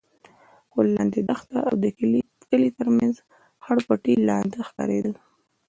خو لاندې دښته او د کلي تر مخ خړ پټي لانده ښکارېدل.